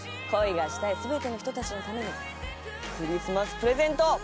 恋がしたい全ての人たちのためにクリスマスプレゼント！